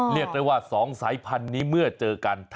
เรียกได้ว่า๒สายพันธุ์นี้เมื่อเจอกัน